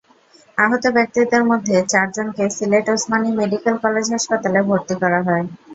আহত ব্যক্তিদের মধ্যে চারজনকে সিলেট ওসমানী মেডিকেল কলেজ হাসপাতালে ভর্তি করা হয়।